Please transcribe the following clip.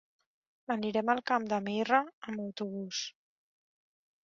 Anirem al Camp de Mirra amb autobús.